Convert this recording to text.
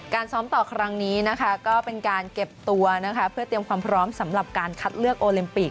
ซ้อมต่อครั้งนี้นะคะก็เป็นการเก็บตัวนะคะเพื่อเตรียมความพร้อมสำหรับการคัดเลือกโอลิมปิก